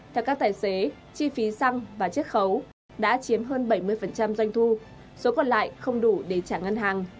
theo các tài xế chi phí xăng và chiếc khấu đã chiếm hơn bảy mươi doanh thu số còn lại không đủ để trả ngân hàng